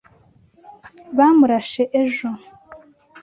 Bamurashe ejo.